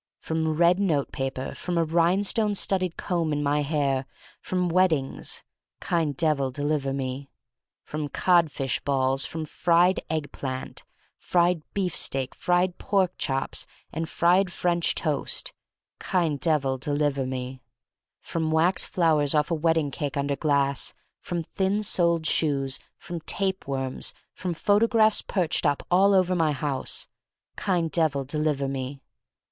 From red note paper; from a rhine stone studded comb in my hair; from weddings: Kind Devil, deliver me. From cod fish balls; from fried egg f 1 86 THE STORY OF MARY MAC LANE plant, fried beef steak, fried pork chops, and fried French toast: Kind Devil, deliver me. From wax flowers off a wedding cake, under glass; from thin soled shoes; from tape worms; from photo graphs perched up all over my house: Kind Devil, deliver me.